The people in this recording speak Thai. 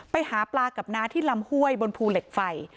ไปหาปลากับน้าที่ลำห้วยบนภูเหล็กไฟ